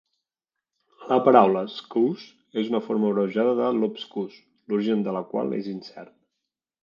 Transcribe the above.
La paraula "scouse" és una forma abreujada de "lobscouse", l'origen de la qual és incert.